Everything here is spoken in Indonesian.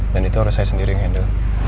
dan itu harus saya sendiri yang handle